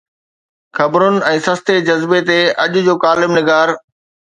خبرن ۽ سستي جذبي تي اڄ جو ڪالم نگار